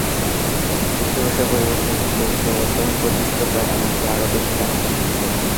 বিশ্বকোষের পরিবর্তে একটি চরিত্রগত বৈশিষ্ট্য বা এমনকি আরো বেশি কাজ করে।